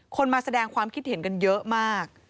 มาแสดงความคิดเห็นกันเยอะมาก